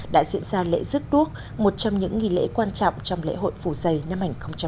đã diễn ra lễ rước đuốc một trong những nghị lễ quan trọng trong lễ hội phủ dây năm hai nghìn một mươi bốn